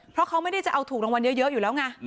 เพราะเขาไม่ได้จะเอาถูกรางวัลเยอะอยู่แล้วไง